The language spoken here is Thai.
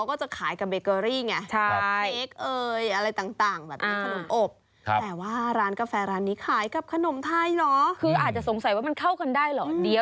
โอ้ชอบเลย